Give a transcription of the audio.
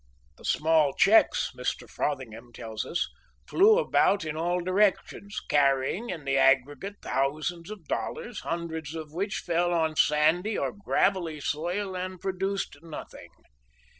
"The small checks," Mr. Frothingham tells us, "flew about in all directions, carrying, in the aggregate, thousands of dollars, hundreds of which fell on sandy or gravelly soil, and produced nothing."